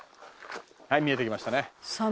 はい見えてきましたね。